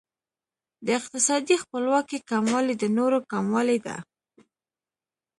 د اقتصادي خپلواکۍ کموالی د نورو کموالی دی.